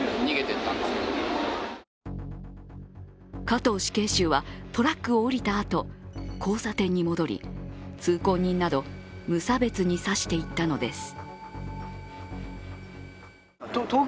加藤死刑囚は、トラックを降りたあと交差点に戻り、通行人など無差別に刺していったのです。